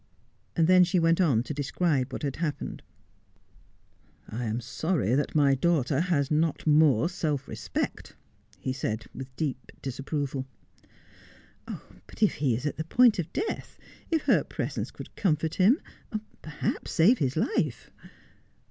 And then she went on to deseribe what had happened. ' I am sorry my daughter had not more self respect,' he said, with deep disapproval. ' But if he is at the point of death — if her presence could comfort him — perhaps save his life.'